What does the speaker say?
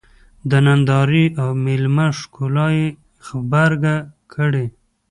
د نندارې او مېلمه ښکلا یې غبرګه کړې.